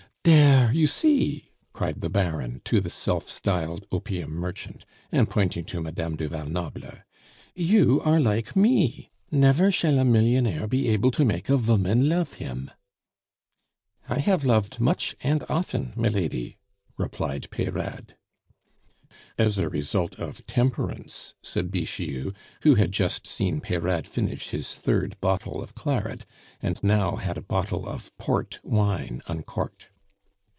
"Dere! you see!" cried the Baron to the self styled opium merchant, and pointing to Madame du Val Noble. "You are like me. Never shall a millionaire be able to make a voman lofe him." "I have loved much and often, milady," replied Peyrade. "As a result of temperance," said Bixiou, who had just seen Peyrade finish his third bottle of claret, and now had a bottle of port wine uncorked.